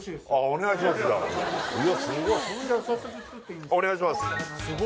お願いします